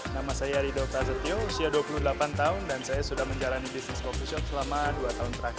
nama saya rido prasetyo usia dua puluh delapan tahun dan saya sudah menjalani bisnis coffee shop selama dua tahun terakhir